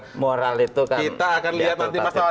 kita akan lihat nanti mas tawardi nanti akan selesai